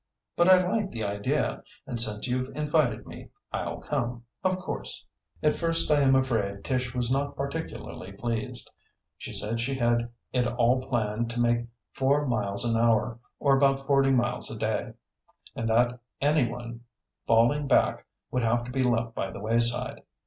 But I like the idea, and since you've invited me I'll come, of course." At first I am afraid Tish was not particularly pleased. She said she had it all planned to make four miles an hour, or about forty miles a day; and that any one falling back would have to be left by the wayside.